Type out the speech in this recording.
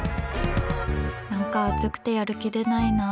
何か暑くてやる気でないな。